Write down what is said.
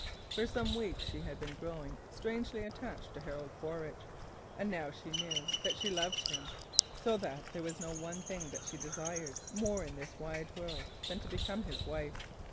For some weeks she had been growing strangely attracted to Harold Quaritch, and now she knew that she loved him, so that there was no one thing that she desired more in this wide world than to become his wife.